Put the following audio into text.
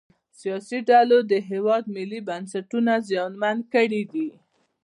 سیاسي ډلو د هیواد ملي بنسټونه زیانمن کړي دي